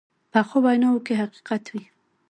پخو ویناوو کې حقیقت وي